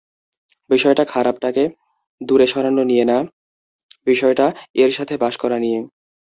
বিষয়টা খারাপটাকে দূরে সরানো নিয়ে না, বিষয়টা এর সাথে বাস করা নিয়ে।